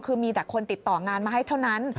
คือมีแต่คนติดต่องานมาให้เท่านั้น